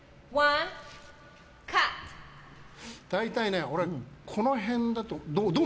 大体ね、俺はこの辺だと。